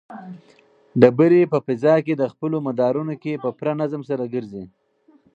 ډبرې په فضا کې په خپلو مدارونو کې په پوره نظم سره ګرځي.